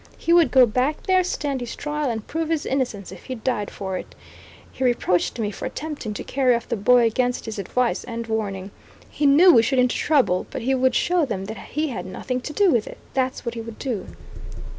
He would go back there, stand his trial, and prove his innocence, if he died for it. He reproached me for attempting to carry off the boy against his advice and warning; he knew we should into trouble; but he would show them that he had nothing to do with it; that's what he would do.